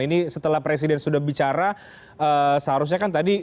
ini setelah presiden sudah bicara seharusnya kan tadi